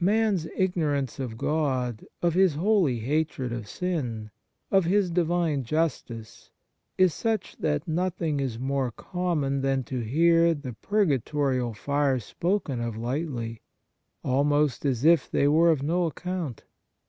Man s ignorance of God, of His holy hatred of sin, of His Divine justice, is such that nothing is more common than to hear the purgatorial fires spoken of lightly, almost as if they were of no ac count.